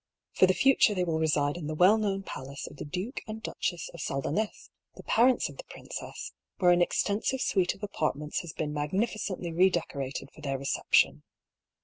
For the future they will reside in the well known palace of the Duke and Duchess of Saldanh6s, the parents of the princess, where an extensive suite of apartments has been mag nificently re decorated for their reception.